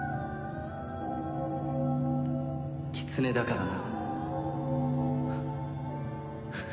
キツネだからな。